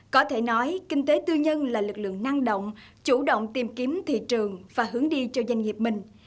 có thể nói kinh tế tư nhân là lực lượng năng động chủ động tìm kiếm thị trường và hướng đi cho doanh nghiệp mình